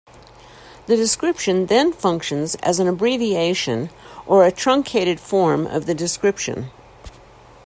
The description then functions as an abbreviation or a truncated form of the description.